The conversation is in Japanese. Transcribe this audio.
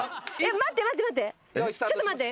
待って待って待ってちょっと待って。